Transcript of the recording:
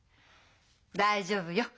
大丈夫よ。